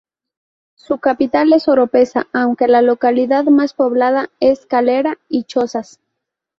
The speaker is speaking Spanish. Su capital es Oropesa aunque la localidad más poblada es Calera y Chozas.